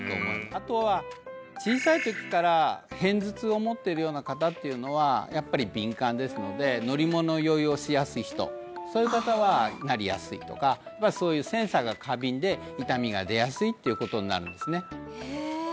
あとは小さい時から片頭痛を持っているような方っていうのはやっぱり敏感ですので乗り物酔いをしやすい人そういう方はなりやすいとかそういうセンサーが過敏で痛みが出やすいっていうことになるんですね